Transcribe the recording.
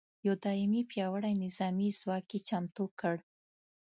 یو دایمي پیاوړي نظامي ځواک یې چمتو کړ.